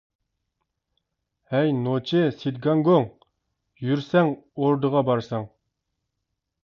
ھەي نوچى سېيىت گاڭگۇڭ، يۈرسەڭ، ئوردىغا بارساڭ.